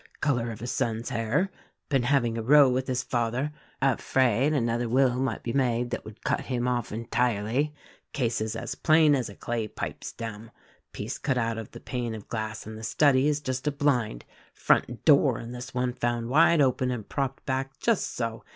Color of his son's hair. Been having a row with his father — afraid another will might be made that would cut him off entirely — case is as plain as a clay pipe stem — piece cut out of the pane of glass in the study is just a blind — front door and this one found wide open and propped back? Just so!